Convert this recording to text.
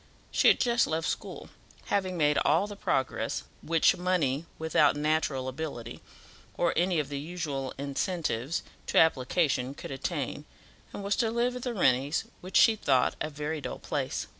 She had just left school, having made all the progress which money without natural ability or any of the usual incentives to application could attain, and was to live at the Rennies', which she thought a very dull place.